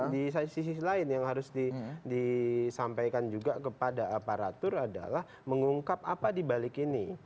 di sisi lain yang harus disampaikan juga kepada aparatur adalah mengungkap apa dibalik ini